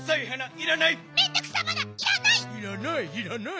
いらないいらない！